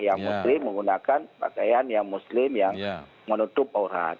yang muslim menggunakan pakaian yang muslim yang menutup aurat